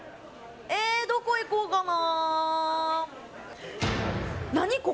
どこ行こうかな。